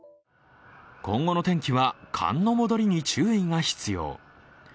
今後の天気は寒の戻りに注意が必要。